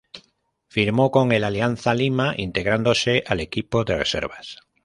Firmó con el Alianza Lima, integrándose al equipo de reservas.